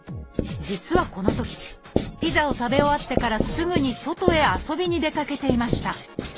実はこのときピザを食べ終わってからすぐに外へ遊びに出かけていました。